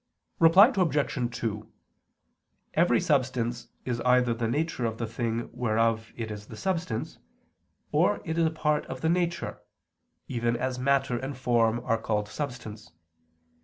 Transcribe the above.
Reply Obj. 2: Every substance is either the nature of the thing whereof it is the substance or is a part of the nature, even as matter and form are called substance.